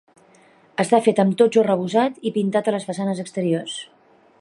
Està fet amb totxo arrebossat i pintat a les façanes exteriors.